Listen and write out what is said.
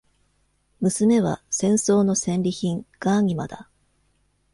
娘は、戦争の戦利品、ガーニマだ。